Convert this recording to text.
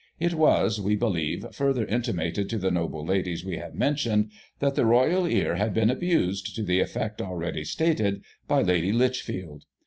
It was, we believe, further intimated to the noble ladies we have mentioned, that the Royal ear had been abused, to the effect already stated, by Lady Lichfield.